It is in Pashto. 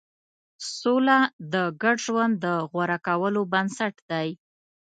سوله د ګډ ژوند د غوره کولو بنسټ دی.